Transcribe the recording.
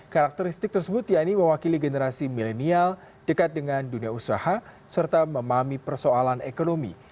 karakteristik tersebut yaitu mewakili generasi milenial dekat dengan dunia usaha serta memahami persoalan ekonomi